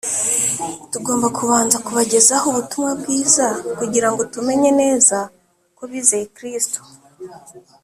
tugomba kubanza kubagezaho Ubutumwa Bwiza kugira ngo tumenye neza ko bizeye Kristo.